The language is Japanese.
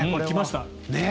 来ました。